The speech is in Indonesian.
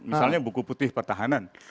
misalnya buku putih pertahanan